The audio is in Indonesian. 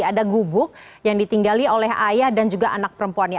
ada gubuk yang ditinggali oleh ayah dan juga anak perempuannya